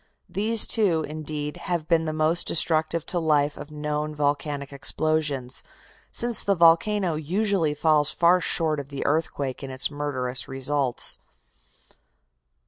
These two, indeed, have been the most destructive to life of known volcanic explosions, since the volcano usually falls far short of the earthquake in its murderous results.